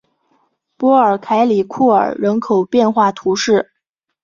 波尔凯里库尔人口变化图示